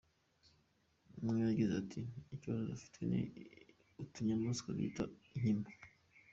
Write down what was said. Umwe yagize ati "Ikibazo dufite ni utunyamaswa bita inkima .